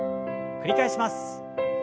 繰り返します。